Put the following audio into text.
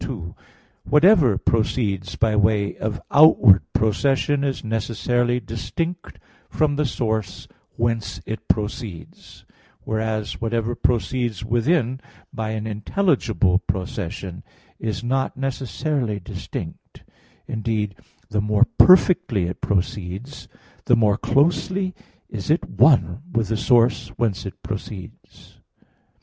2: Whatever proceeds by way of outward procession is necessarily distinct from the source whence it proceeds, whereas, whatever proceeds within by an intelligible procession is not necessarily distinct; indeed, the more perfectly it proceeds, the more closely it is one with the source whence it proceeds.